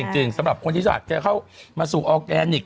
จริงสำหรับคนที่จะเข้ามาสู่ออร์แกนิค